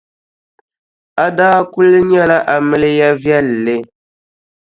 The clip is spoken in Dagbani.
A daa kuli nyɛla amiliya viɛlli.